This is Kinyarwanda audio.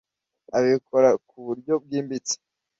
abikora ku buryo bwimbitse,